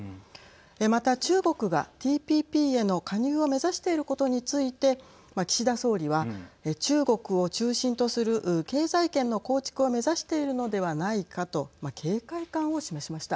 また、中国がＴＰＰへの加入を目指していることについて岸田総理は中国を中心とする経済圏の構築を目指しているのではないかと警戒感を示しました。